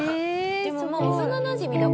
でも幼なじみだからね。